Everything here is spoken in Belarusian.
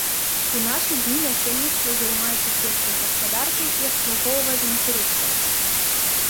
У нашы дні насельніцтва займаецца сельскай гаспадаркай і абслугоўваннем турыстаў.